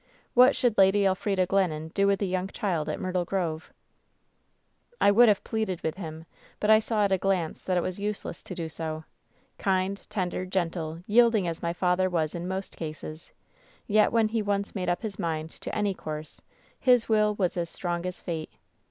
What should Lady Elfrida Glennon do with a young child at Myrtle Grove V "I would have pleaded with him, but I saw at a glance that it was useless to do so. Kind, tender, gentle, yield ing as my father was in most cases, yet when he once made up his mind to any course his will was as strong as fate.